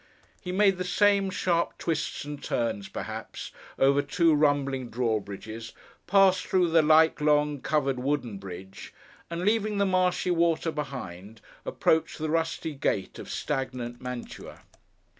He made the same sharp twists and turns, perhaps, over two rumbling drawbridges; passed through the like long, covered, wooden bridge; and leaving the marshy water behind, approached the rusty gate of stagnant Mantua.